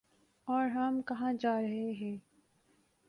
اورہم کہاں جارہے ہیں؟